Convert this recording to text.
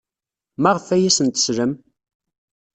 Maɣef ay asen-teslam?